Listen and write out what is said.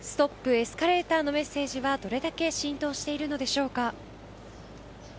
エスカレーターのメッセージはどれだけ浸透してるのでしょうか。